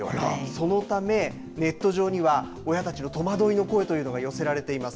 そのため、ネット上には、親たちの戸惑いの声というのが寄せられています。